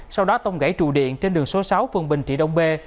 sau đó tông gãy trụ điện trên đường số sáu phường bình trị đông bê